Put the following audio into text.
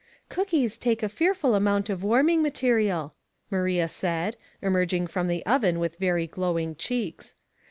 " Cookies take a fearful amount of warming material," Maria said, emerging from the oven with very glowing cheeks.